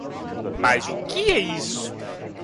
Mas o que é isso?